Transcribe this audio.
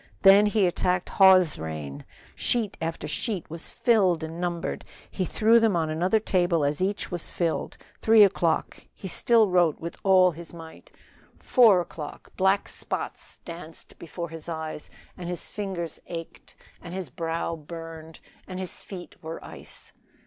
Then he attacked Hawes's reign. Sheet after sheet was filled and numbered. He threw them on another table as each was filled. Three o'clock; still he wrote with all his might. Four o'clock; black spots danced before his eyes, and his fingers ached, and his brow burned, and his feet were ice.